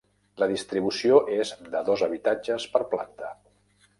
La distribució és de dos habitatges per planta.